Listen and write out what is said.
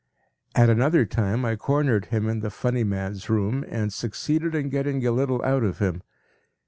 At another time I cornered him in the Funny Man’s room and succeeded in getting a little out of him.